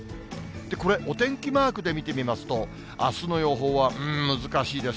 これ、お天気マークで見てみますと、あすの予報は、うーん、難しいです。